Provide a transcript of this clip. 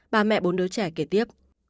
bà mẹ bốn đứa trẻ kể tiếp